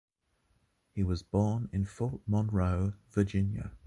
He was born in Fort Monroe, Virginia.